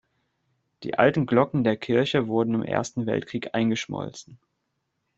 Die alten Glocken der Kirche wurden im Ersten Weltkrieg eingeschmolzen.